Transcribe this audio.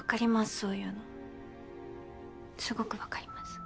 そういうのすごくわかります。